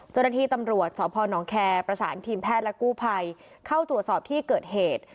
เจ้าหน้าที่ตำรวจสพนแคร์ประสานทีมแพทย์และกู้ภัยเข้าตรวจสอบที่เกิดเหตุ